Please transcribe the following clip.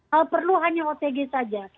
hal perlu hanya otg saja